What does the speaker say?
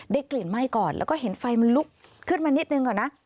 กลิ่นไหม้ก่อนแล้วก็เห็นไฟมันลุกขึ้นมานิดนึงก่อนนะ